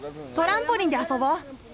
トランポリンで遊ぼう！